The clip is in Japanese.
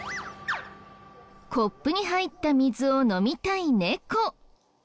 コップに入った水を飲みたい猫。